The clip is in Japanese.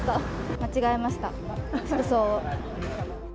間違えました、服装を。